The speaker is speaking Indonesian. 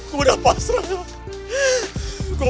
gua udah pasrah kak